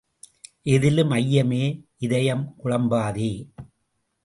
எதிலும் ஐயமே இதயம் குழம்புதே.